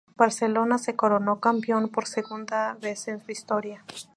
Barcelona se coronó campeón por segunda vez en su historia.